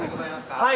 はい。